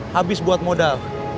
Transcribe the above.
habis buat modal